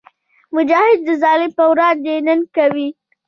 مجاهد د ظالم پر وړاندې ننګ کوي.